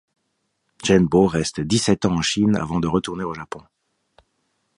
Genbō reste dix-sept ans en Chine avant de retourner au japon.